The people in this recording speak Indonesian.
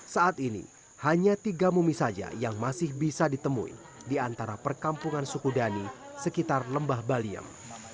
saat ini hanya tiga bumi saja yang masih bisa ditemui di antara perkampungan sukudani sekitar lembah baliem